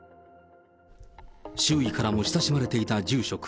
周囲からも親しまれていた住職。